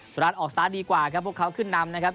สุรัสออกสตาร์ทดีกว่าครับพวกเขาขึ้นนำนะครับ